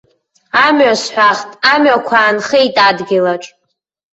Амҩа сҳәахт, амҩақәа аанхеит адгьылаҿ.